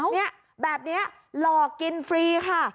เนี่ยแบบนี้หลอกกินฟรีค่ะ